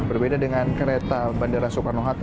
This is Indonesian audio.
berbeda dengan kereta bandara soekarno hatta